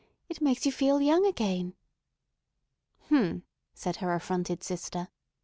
It makes you feel young again." "H'm!" said her affronted sister.